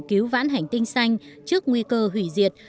tìm hiểu vãn hành tinh xanh trước nguy cơ hủy diệt